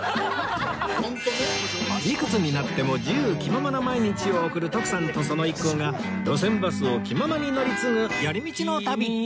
いくつになっても自由気ままな毎日を送る徳さんとその一行が路線バスを気ままに乗り継ぐ寄り道の旅